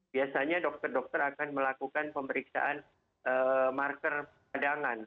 biasanya dokter dokter akan melakukan pemeriksaan marker padangan